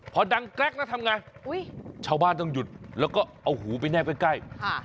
พอดังแกรกแล้วทำไงชาวบ้านต้องหยุดแล้วก็เอาหูไปแนบใกล้